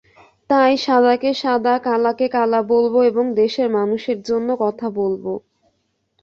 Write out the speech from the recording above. তাই সাদাকে সাদা, কালাকে কালা বলব এবং দেশের মানুষের জন্য কথা বলব।